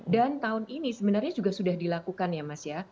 dan tahun ini sebenarnya juga sudah dilakukan ya mas ya